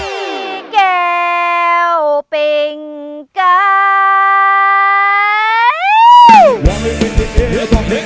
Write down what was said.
นี่แก้วเป็นไก่